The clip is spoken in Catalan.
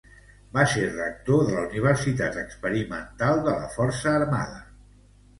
Va ser rector de la Universitat Experimental de la Força Armada.